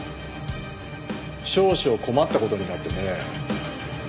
少々困った事になってね。